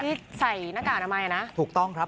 ที่ใส่หน้ากากอ่ะไหมนะถูกต้องครับ